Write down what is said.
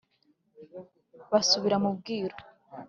” basubira mu bwiru